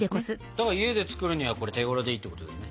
だから家で作るにはこれ手ごろでいいってことだよね。